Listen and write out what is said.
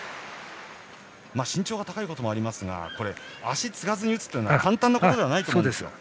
身長が高いこともありますが足を継がずに打つというのは簡単なことじゃないと思います。